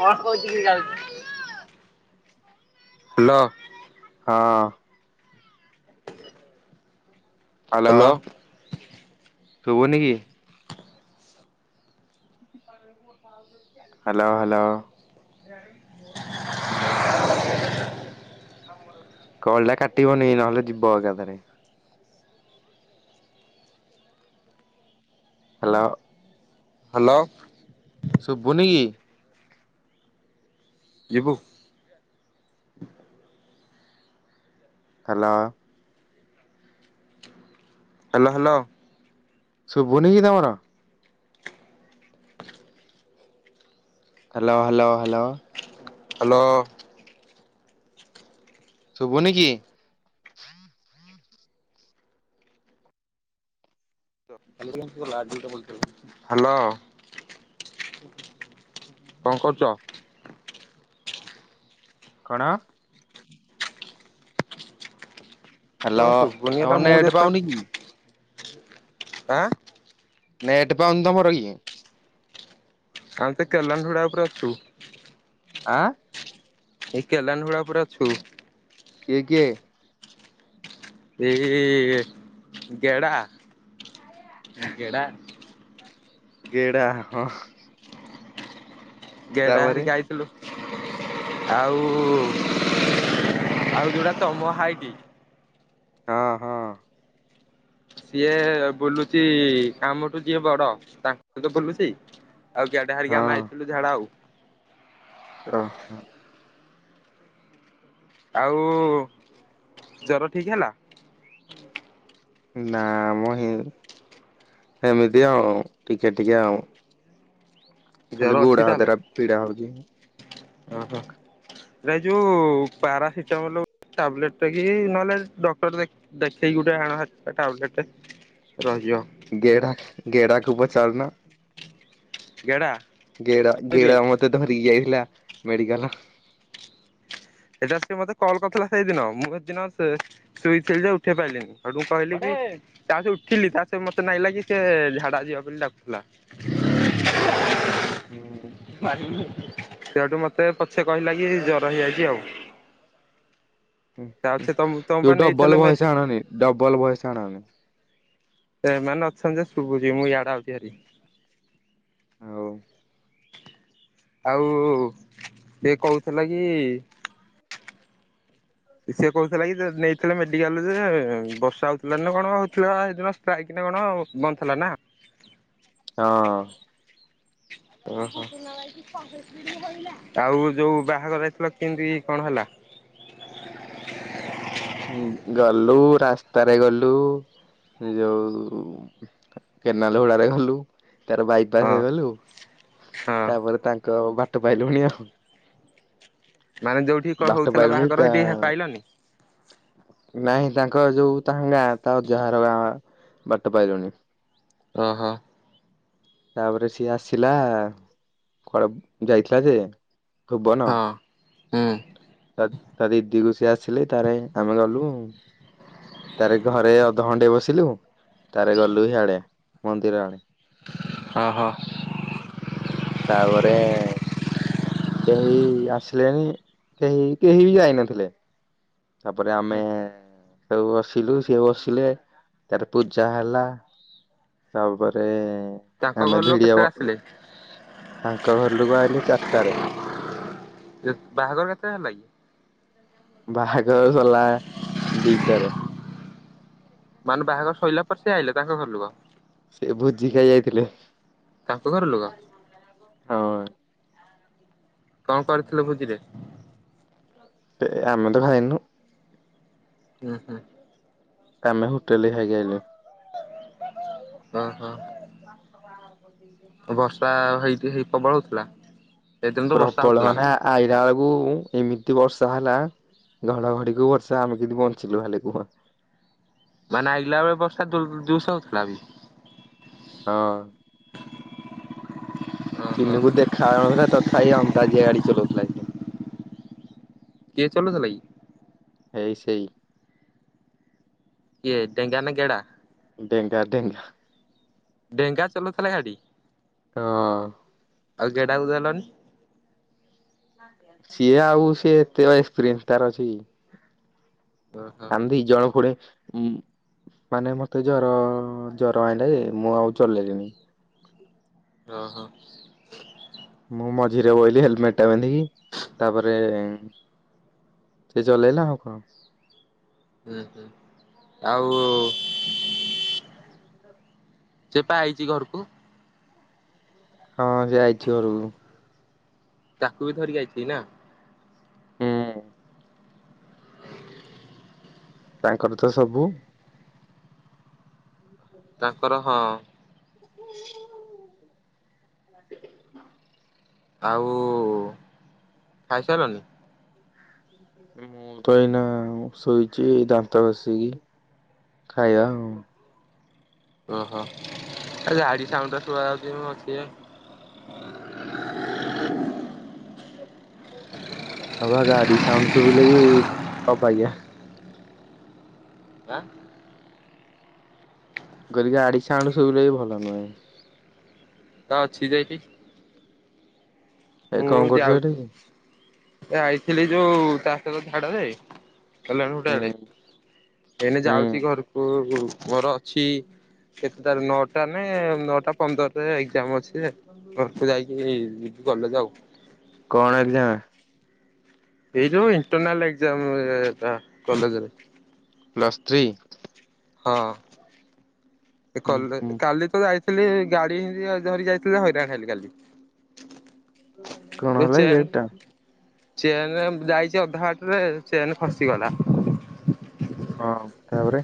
କଣ କହୁଛି କି ଜଣାଉଛି [unintelligible] ହାଲୋ। ହଁ । ହାଲୋ ହ୍ୟାଲୋ ଶୁଭୁ ନି କିି? Hello hello. କଲ ଟା କାଟିବନି ନହେଲେ ଯିବ ଏକାଥରେ । ହାଲୋ । ହାଲୋ । ଶୁଭୁନି କି? ଯିବୁ । ହାଲୋ । Hello hello. ଶୁଭୁନି କି ତମର । Hello hello hello ‌। ହାଲୋ । ଶୁଭୁ ନି କିି? ହାଲୋ । କଣ କରୁଚ? କଣ? କଣ ହାଲୋ ଶୁଭୁନି ଏଟା ତମ ମୁଁ ନେଟ୍ ଯେତେ ପାଉନି କି? ଆଁ? ନେଟ୍ ପାଉନି ତମର କି? ଆମ ତ କେଲନ୍ ଥୋଡା ଉପରାସ ଅଛୁ। ଆଁ? ଏଇ କେଲାନ ହୁଡା ପରା ଅଛୁ? ଇଏ କିଏ? ଏ ଗେଢ଼ା ଗେଢା। ଗେଡ଼ା ହଁ। ଗେଡା ତାପରେ ହାରିକାଇଥିଲୁ ଆଉ। ଆଉ ଯୁଟା ତମ ହାଇଟି? ହଁ ହଁ। ସିଏ ବୁଲୁଚି କାମଠୁ ଯିଏ ବଡ ତାଙ୍କ ସହିତ ବୁଲୁଚି। ଆଉ କିଡେ ହାରିକା ଆମ ଯାଇଥିଲୁ ଝାଡା ଆଉ। ଅ ହ। ଆଉ ଜ୍ୱର ଠିକ୍‌ ହେଲା? ନା ମ ହ ସେମିତି ଆଉ ଟିକେ ଟିକେ ଆଉଁ। ଜର ଖାଲି ଅଛି ଗୁଡ ତାହେଲେ ହାତଟା ପୀଡା ହଉଚି। ଓହୋ ଏ ଯୋଉ ପାରାସିଟାମଲ ଟାବଲେଟ୍ କି ନହେଲେ ଡକ୍ଟର ଦେଖେଇ ଦେଖେଇକି ଗୋଟେ ଆଣ ଟାବଲେଟ୍ ଟେ। ରହିଜ। ଗେଢା ଗେଢାକୁ ପଚାରୁନ? ଗେଡ଼ା। ଗେଡା ଗେଡା ମତେ ଧରିକି ଆଇଥିଲା ମେଡିକାଲ। ଏଟା ଟିକେ ମତେ କଲ୍ କରିଥିଲା ସେଇଦିନ ମୁଁ ସେଦିନ ସେ ସେଟିରୁ ଉଠେଇ ପାରିଲିନି। ସେଠୁ ମୁଁ କହିଲି କି ତା ସାସେ ଉଠିଲି ତା ସେ ମତେ ନାଇଁ ଲାଗି ସେ ଝାଡା ଯିବ ବୋଲି ଡାକୁ ଥିଲା। ହୁଁ ହୁଁ ସେଠୁ ମତେ ପଛେ କହିଲା କି ଜ୍ୱର ହେଇଯା ଇଯାଉ। ଯ ନେଇଥିଲେ ଡବଲ ଭଏସ ଆଣନି ଡବଲ ଭୟସ ଆଣନି। ସେମାନେ ଅଛନ୍ତି ଯେ ଶୁଭୁଚି ମୁଁ ଇଆଡେ ଆଉଚି ହରି। ହଉ। ଆଉ ସେ କହୁଥିଲା କି? ସିଏ କହୁଥିଲା କି ନେଇଥିଲେ ମେଡିକାଲରେ ବର୍ଷା ହଉଥିଲାନା କଣ ହଉଥିଲା ସେଇଦିନ ଷ୍ଟ୍ରାଇକ୍। କଣ ବନ୍ଦ ଥିଲା ନା? ହଁ। ଓହୋ ଆଉ ଯୋଉ ବାହାଘର ଯାଇଥିଲ କେମିତି କଣ ହେଲା? [inaudible] ହୁଁ ଗଲୁ ରାସ୍ତାରେ ଗଲୁ। ଯୋଉ କେନାଲ ହୂଡାରେ ଗଲୁ। ତାର ବାଇପାସ ହଁ ହେଇଗଲୁ, ହଁ ତାପରେ ତାଙ୍କ ବାଟ ପାଇଲୁଣି ଆଉ। ମାନେ ଯୋଉଠି କଣ ବାଟ ହଉଥିଲା ପାଇଲୁଣନି ବାହାଘର ତା ସେଠି ପାଇଲନି? ନାଇଁ ତାଙ୍କ ତାଙ୍କ ଯୋଉ ତା ଗାଁ ତା ଯାହାର ଗାଁ ବାଟ ପାଇଲୁଣିି। ଓ ହୋ। ତାପରେ ସିଏ ଆସିଲା କଡ ଯାଇଥିଲା ଯେ ଭୁବନ ହଁ ହୁଁ ତ ତା ଦିଦିକୁ ସେ ଆସିଲେ ତାର ଆମେ ଗଲୁ ତାର ଘରେ ଅଧଘଣ୍ଟେ ବସିଲୁ। ତାର ଗଲୁ ହି ଆଡେ ମନ୍ଦିର ଆଡେ। ହଁ ହଁ। ତାପରେ କେହି ଆସିଲେନି। କେହି କେହି ବି ଯାଇନଥିଲେ। ତାପରେ ଆମେ ସବୁ ବସିଲୁ ସିଏ ବସିଲେ ତାପରେ ପୂଜା ହେଲା। ତାପରେ ତାଙ୍କ ଘର ଆମେ ଲୋକ କେତେବେଳେ ଭିଡିଓ ଆସିଲେ ତାଙ୍କ ଘର ଲୋକ ଆଇଲେ ଚାରିଟାରେ। ବାହାଘର କେତେବେଳେ ହେଲା କି? ବାହାଘର ସଇଲା ଦିଟାରେ। ମାନେ ବାହାଘର ସଇଲା ପରେ ସେ ଆଇଲେ ତାଙ୍କ ଘର ଲୋକ। ସେ ଭୋଜି ଖାଇ ଯାଇଥିଲେ। ତାଙ୍କ ଘର ଲୋକ ହଁ। କଣ କରିଥିଲ ଭୋଜିରେ? ଆମେ ତ ଖାଇନୁ। ଉଁ ହୁଁ। ଆମେ ହୋଟେଲରେ ଖାଇକି ଆଇଲୁ। ଅ ହଁ। ବର୍ଷା ହେଇକି ହେଇ ପ୍ରବଳ ହଉଥିଲା। ସେଦିନ ତ ବର୍ଷା ପ୍ରବଳ ହଉଥିଲା। ମାନେ ଆଇଲା ବେଳକୁ ଏମିତି ବର୍ଷା ହେଲା ଘଡଘଡି କୁ ବର୍ଷା ଆମେ କିିନ୍ତି ବଞ୍ଚିଲୁ ଖାଲି କୁହ। ମାନେ ଆଇଲା ବେଳେ ବର୍ଷା ଜୋରସେ ହଉଥିଲା ବି। ହଁ। ଓହୋ। ଚିନୁକୁ ଦେଖାଯାଉନଥିଲା ତଥାପି ଅନ୍ଦାଜିଆ ଗାଡି ଚଲାଉଥିଲା ସେ। କିଏ ଚଲଉଥିଲା କି? ଏଇ ସେଇ। କିଏ ଡେଙ୍ଗା ନା ଗେଡ଼ା? ଡେଙ୍ଗା ଡେଙ୍ଗା। ଡେଙ୍ଗା ଚାଲଉଥିଲା ଗାଡି। ହଁ। ଆଉ ଗେଡା କୁ ଦେଲଣି। ସିଏ ଆଉ ସେ ଏତେ ଏକ୍ସପିରିୟନ୍ସ ତାର ଅଛି କି। ଓହୋ ଆମେ ଦି ଜଣ ଖୋଡେ ଉ ମାନେ ମତେ ଜର ଜର ଆଇଲା ଯେ ମୁଁ ଆଉ ଚଲେଇଲିନି। ଅ ହୋ। ମୁଁ ମଝିରେ ବୋଇଲି ହେଲମେଟ ଟା ପିନ୍ଧିକି ତାପରେ ସେ ଚଲେଇଲା ଆଉ କଣ । ହୁଁ ହୁଁ। ଆଉ ସେ ପା ଆଇଚି ଘରକୁ । ହଁ ସେ ଆଇଚି ଘରକୁ । ତାକୁ ବି ଧରିକି ଆଇଛି ନା। ହଁ। ତାଙ୍କର ତ ସବୁ ତାଙ୍କର ହଁ। [inaudible] ଆଉ ଖାଇ ସାରିଲଣି? ମୁଁ ତ ଏଇନା ଶୋଇଚି ଦାନ୍ତ ଘସିକି। ଖାଇବା ଆଉ। ଓହୋ। ଆରେ ଗାଡି ସାଉଣ୍ଡ ରା ଶୁଣାଯାଉଛି। [unintelligible] [inaudible] [inaudible] ହ ବା ଗାଡି ସାଉଣ୍ଡ ସୁବୁଚି ବି ଅବାଗିଆ। ଆଁ କହିଲି ଗାଡ଼ି ସାଉଣ୍ଡ ଶୁବିଲେ ବି ଭଲ ନୁହେଁ। ତା ଅଛି ଯାଇକି । ଏ କଣ କରୁଚ ଏଠି? ସେ ଆଇଥିଲି ଯୋଉ ଚାଷଙ୍କର ଝାଡ ରେ କଲ୍ୟାଣ ହୁଟା ହୁଁ ଆଡେ ଏନେ ହୁଁ ଯାଉଚି ଘରକୁ ମୋର ଅଛି କେତେ ଟାରେ ନଅଟା ନେ ନଅଟା ପନ୍ଦରରେ ଏକ୍ଜାମ ଅଛି ଯେ ଘରକୁ ଯାଇକି କଲେଜ ଆଉ କଣ ଏଗଜାମ? ଏଇ ଯୋ ଇଣ୍ଟରନାଲ ଏଗଜାମ ଏଟା କଲେଜରେ । ପ୍ଲାସ୍ ଥ୍ରୀ ହଁ ଏ ହୁଁ କଲେ ହୁଁ କାଲିତ ଯାଇ ଲି ଗାଡି ହିନ୍ତି ତ ଧରି ଯାଇଥିଲି ହଇରାଣ ହେଲି କାଲି । କଣ ହେଲା କି ଗାଡ଼ିଟା? ଚେନ୍ ଯାଇଚି ଅଧାବାଟ ରେ ଚେନ୍ ଖସିଗଲା। ହଁ ତାପରେ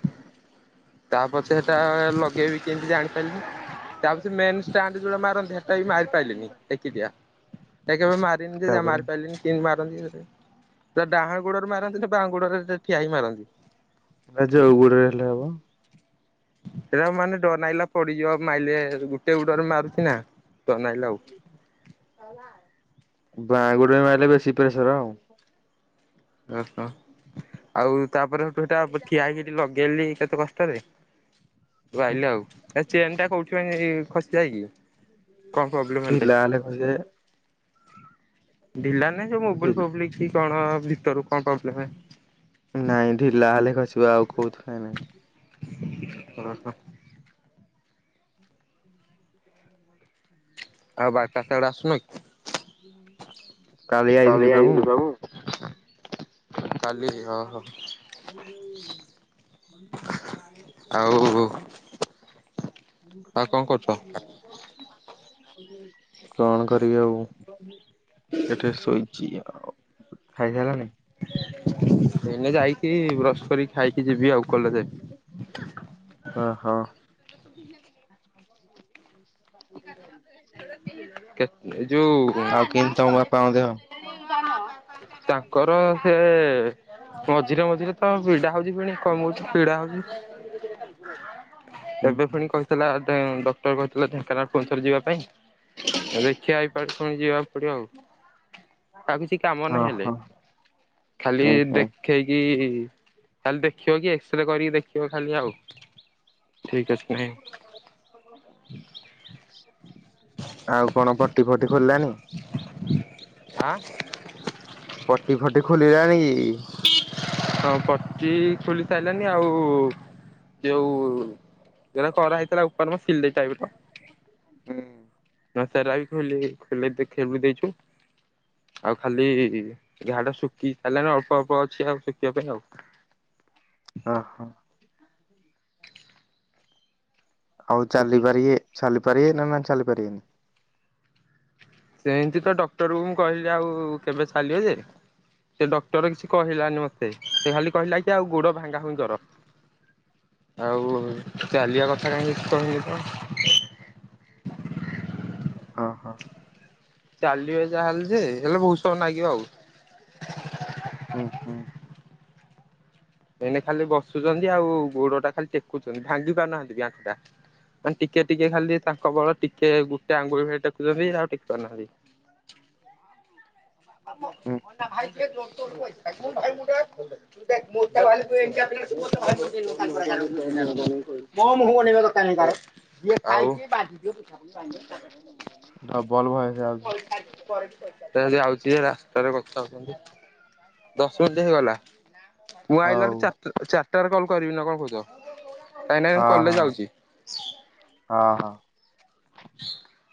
ତାପଛେରେ ତା ଲଗେଇବି କେମତି ଜାଣି ପେଲି ତା ପରେ ସେ ମେନ ଷ୍ଟାଣ୍ଟ ଯୋଉଟା ମାରନ୍ତି ହେଟା ବି ମାରି ପାରିଲନି ଏକିଟିଆ ସେ କେବେ ମାରିନି ଯେ ଯମ ତାପରେ ମାରି ପାଇଲିନି କିନ୍ତି ମାର [unintelligible] ତ ଡାହାଣ ଗୋଡରେ ମାରନ୍ତି ନା ବାଁ ଗୋଡରେ ଯେ ଠିଆ ହେଇ ମାରନ୍ତି ଏ ଯୋଉ ଗୋଡରେ ହେଲେ ହବ ସେଟା ମାନେ ଡର ନାଗିଲା ପଡିଯିବ ମାଇଲେ ଗୁଟେ ଗୁଡରେ ମାରୁଚି ନା ତ ନାଇଲଉ ବାଁ ଗୁଡରେ ମାଇଲେ ବେଶୀ ପ୍ରେସର ଆଉ। ଓହୋ ଆଉ ତାପରେ ହେଟୁ ହେଟା ବ ଠିଆ ହେଇକି ଲଗେଇଲି ଖା ତ କଷ୍ଟରେ ଉ ଆଇଲେ ଆଉ ଏ ଚେନ୍ ଟା କୋଉଠି ପାଇଁ ଖସି ଯାଏ କି? କଣ ପ୍ରୋବ୍ଲେମ ହେଲା କି ଢିଲା ହେଲେ ଖସେ ଢ଼ିଲା ନାଇ ସେ ଢି ମୋବିଲ ଫୋବିଲ କି କଣ ଭିତରୁ କଣ ପ୍ରୋବ୍ଲେମ ନାଇଁ ଢିଲା ହେଲେ ଖସିବ ଆଉ କୋଉଥିରେ ନାଇଁ । ହ ହୋ। ଆଉ ବାଟ ଟ ଆଡେ ଆସୁନ କି? କାଲି ଆଇଥିଲି ମୁଁ। ଆଇଥିଲୁ ସବୁ। କାଲି ଓହୋ ଆଉ ଯଉ । ମୁ। ଆଉ ଆଉ କଣ କରୁଛ? [unintelligible] କଣ କରିବି ଆଉ ଏଠେ ଶୋଇଚି ଆଉ ଖାଇସାରିଲନି? ଏନ ଯାଇ କି ବ୍ରସ କରି ଖାଇକି ଯିବି ଆଉ କଲେଜେ ଓହୋ ଯାଇ କେତ ଆଉ କିନ୍ତି ବାପାଙ୍କ ଦେହ? ତାଙ୍କର ସେ ମଝିରେ ମଝିରେ ତ ପିଡା ହଉଚି ପୁଣି କମୁଚି ପୀଡା ହଉଚି ବେବେ ପୁଣି କହିଥିଲା ତେ ଡକ୍ଟର କହିଥିଲା ଢେଙ୍କାନାଳ ଫୁଣି ଥରେ ଯିବା ପାଇଁ ଦେଖିବା ଏଇ ପାଳି ଫୁଣି ଯିବାକୁ ପଡିବ ଆଉ ଆଉ କିଛି କାମ ନାହିଁ ହେଲେ ଓହୋ ଖାଲି ହୁଁ ହୁଁ ଦେଖେଇକି ଖାଲି ଦେଖିବ କି ଏକ୍ସରେ କରିକି ଦେଖିବ ଖାଲି ଆଉ। ଠିକ୍ ଅଛି କି ନାହିଁ। ଆଉ କଣ ପଟି ଫଟି ଖୋଲିଲାଣି? ଆଁ। ପଟି ଫଟି ଖୋଲିଲାଣି କି? ହଁ ପଟି ଖୋଲି ସାରିଲାନି ଆଉ ଯୋଉ ଜଉରା ତରା ହେଇଥିଲା ଉପରେ ମ ସିଲେଇ ଟାଇପି ର ହୁଁ। ନା ସାର ଆଜି ଖୋଲିବି ଖୋଲି ଦେଖି ବି ଦେଇଛୁ। ଆଉ ଖାଲି ଘାଆ ଟା ଶୁଖି ସାରିଲାଣି ଅଳ୍ପ ଅଳ୍ପ ଅଛି ଆଉ ଶୁଖିବା ପାଇଁ ଆଉ। ଅ ହୋ। ଆଉ ଚାଲି ଶୁଖି ପାରିବେ ଚାଲି ପାରିବେ ନା ନା ଚାଲି ପାରିବେନି? ସେମିତି ତ ଡକ୍ଟର କୁ ମୁଁ କହିଲି ଆଉ କେବେ ଚାଲିବ ଯେ? ସେ ଡକ୍ଟର କିଛି କହିଲାନି ମତେ ସେ ଖାଲି କହିଲା କି ଆଉ ଗୋଡ ଭାଙ୍ଗା ଭୁଙ୍ଗୀ କର। ଆଉ ଚାଲିବା କଥା କାହିଁ କିଛି କହିନି ତ। ହ ହଁ ହଁ। ଚାଲିବେ ଯାହା ହେଲେ ଯେ ହେଲେ ବହୁତ ସମୟ ନାଗିବ ଆଉ। ହୁଁ ହୁଁ ଏଇନେ ଖାଲି ବସୁଛନ୍ତି ଆଉ ଗୋଡ ଟା ଖାଲି ଟେକୁଛନ୍ତି ଭାଙ୍ଗି ପାରୁନାହାନ୍ତି କି ଆଣ୍ଠୁ ଟା। ମାନେ ଟିକେ ଟିକେ ଖାଲି ତାଙ୍କ ବଳ ଟିକେ ଗୋଟେ ଆଙ୍ଗୁଳି ଖାଲି ଟେକୁଛନ୍ତି ଆଉ ଟେକି ପାରୁନାହାନ୍ତି। ହଁ ହଁ। ଆ ହୁଁ ଆ ବସ ଭାଇ ଭାଇ ମୁ ମୋ ମୁହ କୁ ଅନେଇବା ଦରକାର ନାହିଁ ତାର ଯିଏ ଖାଇଚି ବାନ୍ଧିଦିଏ ତାକୁ ମୁଁ ମୋ ପଇସା ଡବଲ ଦିଅ ଭଏସ ଆଉଛି ମୁଁ ପଳେଇ ଏଇନା ଯାଉଛି ରାସ୍ତାରେ କଥା ହଉଛନ୍ତି ଦଶ ମିଣ୍ଟି ହେଇଗଲା। ମୁଁ ହଉ ଆଇଲନ୍ତି ଚାରିଟା ଚାରିଟାରେ କଲ କରିବି ନା କଣ କହୁଛ? କାଇଁ ନା ଏବେ ମୁଁ ହଁ ହଁ କଲେଜ ଯାଉଛି। ହଁ ହଁ। [unintelligible]